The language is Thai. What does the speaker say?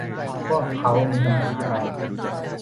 พวกเค้ามีปัญหาอะไร